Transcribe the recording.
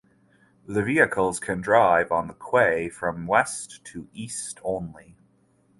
The vehicles can drive on the quay from west to east only.